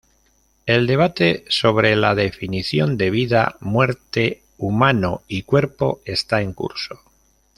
El debate sobre la definición de vida, muerte, humano y cuerpo está en curso.